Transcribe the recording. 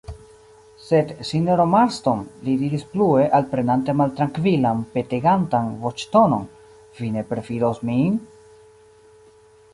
Sed, sinjoro Marston, li diris plue, alprenante maltrankvilan, petegantan voĉtonon, vi ne perfidos min?